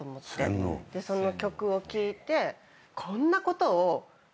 その曲を聴いて。